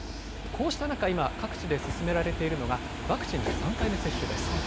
こうした中、今、各地で進められているのが、ワクチンの３回目接種です。